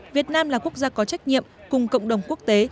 việt nam là quốc gia có trách nhiệm cùng cộng đồng quốc tế